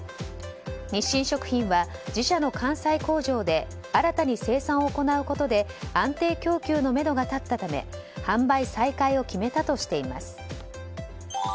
日清食品は自社の関西工場で新たに生産を行うことで安定供給のめどが立ったため販売再開を決めたとしています。